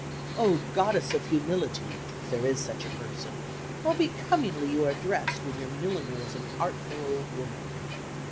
Oh, goddess of Humility (if there is such a person), how becomingly you are dressed when your milliner is an artful old woman!